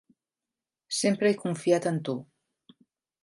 Sempre he confiat en tu.